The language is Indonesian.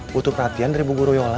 butuh perhatian dari bu guruyola